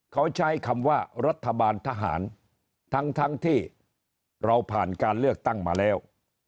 เขาใช้คำว่ารัฐบาลทหารทั้งที่เราผ่านการเลือกตั้งมาแล้ว